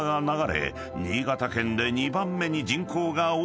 新潟県で２番目に人口が多い町］